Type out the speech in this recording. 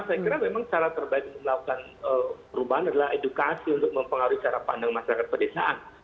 saya kira memang cara terbaik untuk melakukan perubahan adalah edukasi untuk mempengaruhi cara pandang masyarakat pedesaan